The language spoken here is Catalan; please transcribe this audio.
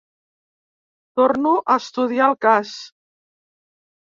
Torno a estudiar el cas.